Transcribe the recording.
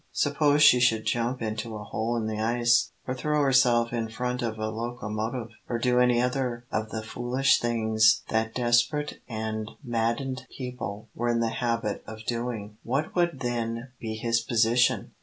Suppose she should jump into a hole in the ice, or throw herself in front of a locomotive, or do any other of the foolish things that desperate and maddened people were in the habit of doing? What would then be his position?